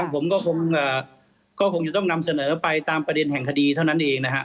ผมก็คงจะต้องนำเสนอไปตามประเด็นแห่งคดีเท่านั้นเองนะฮะ